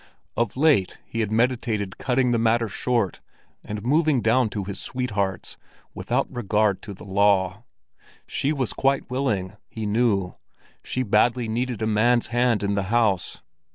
Of late he had meditated cutting the matter short and moving down to his sweetheart's, without regard to the law. She was quite willing, he knew; she badly needed a man's hand in the house.